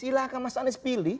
tidak akan mas anies pilih